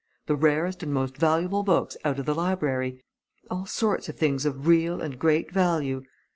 the rarest and most valuable books out of the library all sorts of things of real and great value.